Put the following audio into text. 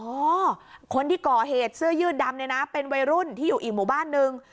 คนที่ก่อเหตุเสื้อยืดดำเนี่ยนะเป็นวัยรุ่นที่อยู่อีกหมู่บ้านนึง